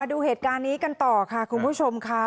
ดูเหตุการณ์นี้กันต่อค่ะคุณผู้ชมค่ะ